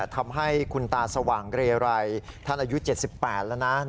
ทำให้คุณตาสว่างเรไรท่านอายุ๗๘แล้วนะ